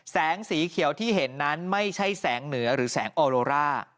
แสงสีเขียวที่เห็นนั้นไม่ใช่แสงเหนือหรือแสงออโรร่า